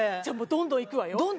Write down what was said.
じゃあもうどんどんいくわよ。